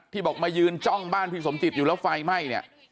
บอกมายืนจ้องบ้านพี่สมจิตอยู่แล้วไฟไหม้เนี่ย